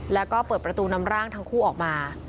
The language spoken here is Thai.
แล้วก็เปิดประตูนำร่างทั้งคู่ออกมา